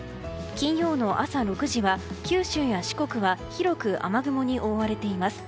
金曜の朝６時は九州や四国は広く雨雲に覆われています。